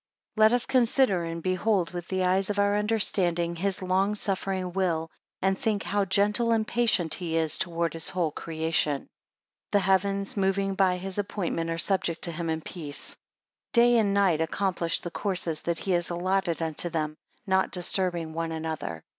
4 Let us consider and behold with the eyes of our understanding his long suffering will; and think how gentle and patient he is towards his whole creation. 5 The heavens moving by his appointment, are subject to him in peace. 6 Day and night accomplish the courses that he has allotted unto them, not disturbing one another.